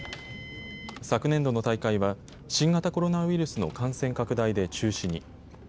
昨年度の大会は新型コロナウイルスの感染拡大で中止に。